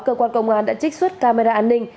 cơ quan công an đã trích xuất camera an ninh